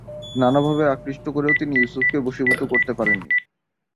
নানাভাবে আকৃষ্ট করেও তিনি ইউসুফকে বশীভূত করতে পারেন নি।